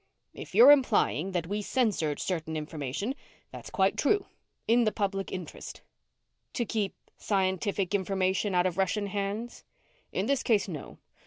"If you're implying that we censored certain information, that's quite true. In the public interest." "To keep scientific information out of Russian hands?" "In this case, no.